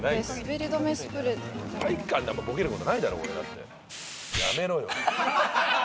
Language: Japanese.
体育館であんまボケることないだろ俺だって。